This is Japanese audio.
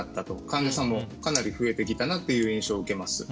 患者さんもかなり増えてきたなという印象を受けます。